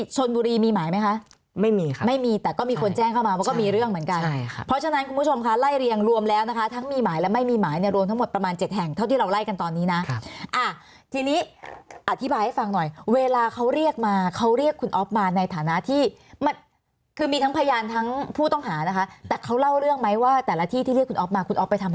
ใช่ค่ะเพราะฉะนั้นคุณผู้ชมคะไล่เรียงรวมแล้วนะคะทั้งมีหมายและไม่มีหมายเนี่ยรวมทั้งหมดประมาณเจ็ดแห่งเท่าที่เราไล่กันตอนนี้นะครับอ่าทีนี้อธิบายให้ฟังหน่อยเวลาเขาเรียกมาเขาเรียกคุณออฟมาในฐานะที่มันคือมีทั้งพยานทั้งผู้ต้องหานะคะแต่เขาเล่าเรื่องมั้ยว่าแต่ละที่ที่เรียกคุณออฟมาคุณออฟไปท